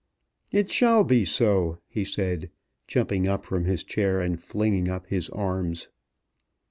"It shall be so," he said, jumping up from his chair, and flinging up his arms.